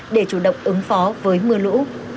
để chủ động ứng phó với mưa lũ